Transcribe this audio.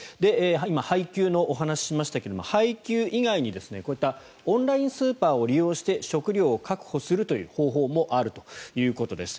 今、配給のお話をしましたが配給以外に、こういったオンラインスーパーを利用して食料を確保するという方法もあるということです。